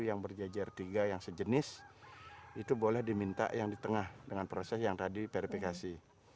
yang berjejer tiga yang sejenis itu boleh diminta yang di tengah dengan proses yang tadi verifikasi